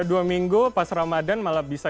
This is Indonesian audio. dua minggu pas ramadhan malah bisa